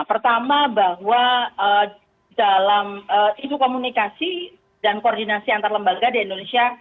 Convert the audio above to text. pertama bahwa dalam isu komunikasi dan koordinasi antar lembaga di indonesia